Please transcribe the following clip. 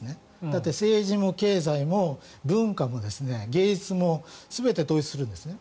だって政治も経済も文化も芸術も全て統一するんですね。